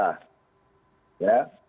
justru pelakunya pada saat itu melakukan